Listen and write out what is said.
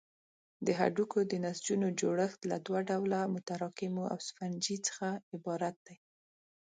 د هډوکو د نسجونو جوړښت له دوه ډوله متراکمو او سفنجي څخه عبارت دی.